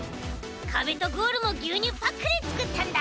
かべとゴールもぎゅうにゅうパックでつくったんだ！